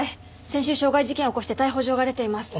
先週傷害事件を起こして逮捕状が出ています。